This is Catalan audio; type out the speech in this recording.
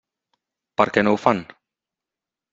Per què no ho fan?